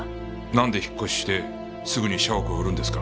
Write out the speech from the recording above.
なんで引っ越ししてすぐに社屋を売るんですか？